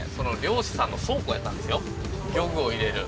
漁具を入れる。